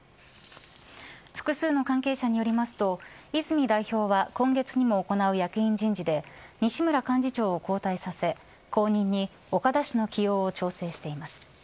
複数の関係者によりますと泉代表は今月にも行う役員人事で西村幹事長を交代させ後任に岡田氏の起用を調整しています。